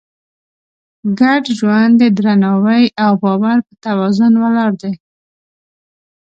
ګډ ژوند د درناوي او باور په توازن ولاړ دی.